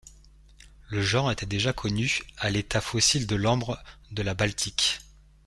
Le genre était déjà connu à l’état fossile de l’ambre de la Baltique.